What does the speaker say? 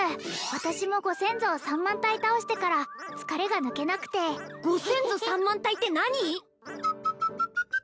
私もご先祖を３万体倒してから疲れが抜けなくてご先祖３万体って何！？